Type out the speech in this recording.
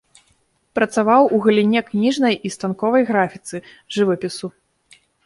Працаваў у галіне кніжнай і станковай графіцы, жывапісу.